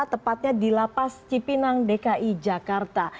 tepatnya di lapas cipinang dki jakarta